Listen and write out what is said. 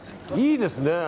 いいですね。